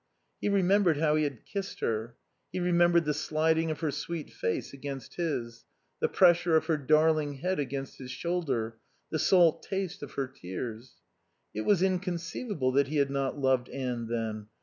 He remembered how he had kissed her; he remembered the sliding of her sweet face against his, the pressure of her darling head against his shoulder, the salt taste of her tears. It was inconceivable that he had not loved Anne then.